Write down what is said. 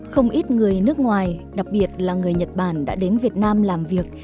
không ít người nước ngoài đặc biệt là người nhật bản đã đến việt nam làm việc